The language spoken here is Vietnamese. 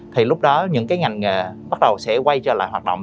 thì lúc đó những cái ngành nghề bắt đầu sẽ quay trở lại hoạt động